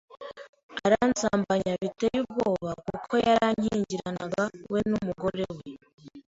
aransambanya biteye ubwoba kuko yarankingiranaga we n’umugore we